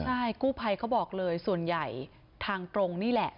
ใช่กู้ภัยเขาบอกเลยส่วนใหญ่ทางตรงนี่แหละ